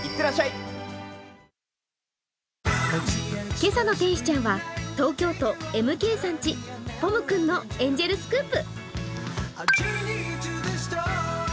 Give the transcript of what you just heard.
「今朝の天使ちゃん」は東京都ＭＫさん家、ぽむ君のエンジェルスクープ。